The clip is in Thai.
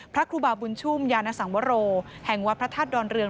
พระครูบาบุญชุ่มยานสังวโรแห่งวัดพระธาตุดอนเรือง